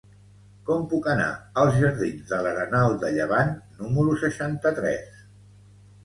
Com puc anar als jardins de l'Arenal de Llevant número seixanta-tres?